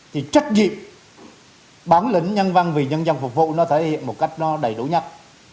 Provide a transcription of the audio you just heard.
thì trách nhiệm bản lĩnh nhân văn vì nhân dân phục vụ nó thể hiện một cách nó đầy đủ nhất